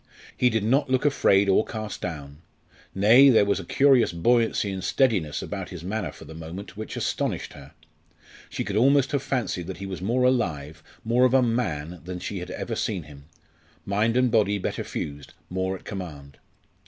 He did not look afraid or cast down nay, there was a curious buoyancy and steadiness about his manner for the moment which astonished her. She could almost have fancied that he was more alive, more of a man than she had ever seen him mind and body better fused, more at command.